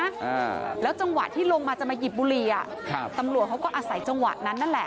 อ่าแล้วจังหวะที่ลงมาจะมาหยิบบุหรี่อ่ะครับตำรวจเขาก็อาศัยจังหวะนั้นนั่นแหละ